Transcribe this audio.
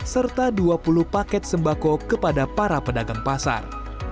serta dua puluh paket sembako kepada para pedagang pasar